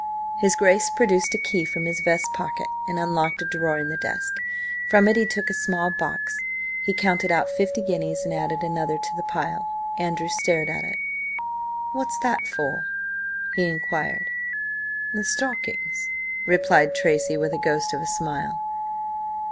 His Grace produced a key from his vest pocket and unlocked a drawer in the desk. From it he took a small box. He counted out fifty guineas, and added another to the pile. Andrew stared at it. "What's that for?" he inquired. "The stockings," replied Tracy, with a ghost of a smile.